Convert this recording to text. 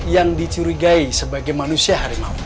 yang dicurigai sebagai manusia harimau